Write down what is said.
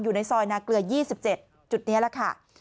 อยู่ในซอยนาเกลือ๒๗จุดนี้แหละค่ะ